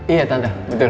iya tante betul